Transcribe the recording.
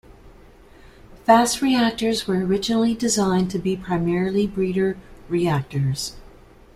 Fast reactors were originally designed to be primarily breeder reactors.